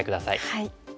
はい。